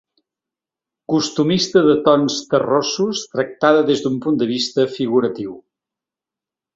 Costumista de tons terrossos tractada des d’un punt de vista figuratiu.